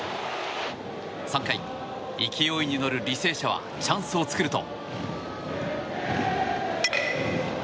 ３回、勢いに乗る履正社はチャンスを作ると。